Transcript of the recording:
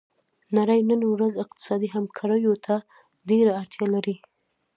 نړۍ نن ورځ اقتصادي همکاریو ته ډیره اړتیا لري